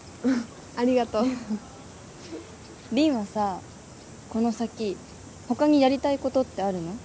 ありがとう凛はさこの先他にやりたいことってあるの？